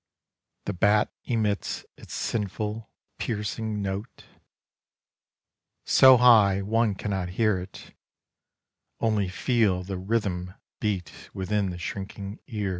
The bat emits its sinful piercing note — So high one cannot hear it, only feel The rhythm beat within the shrinking ear.